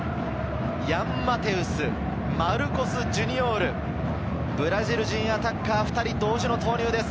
ヤン・マテウス、マルコス・ジュニオール、ブラジル人アタッカー２人同時投入です。